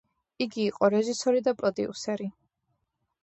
იგი იყო რეჟისორი და პროდიუსერი.